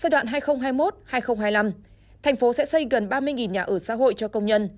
giai đoạn hai nghìn hai mươi một hai nghìn hai mươi năm thành phố sẽ xây gần ba mươi nhà ở xã hội cho công nhân